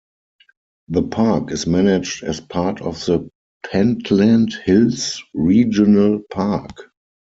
The park is managed as part of the Pentland Hills Regional Park.